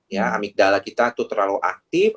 ya amigdala kita itu terlalu aktif